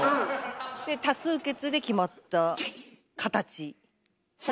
で多数決で決まった形。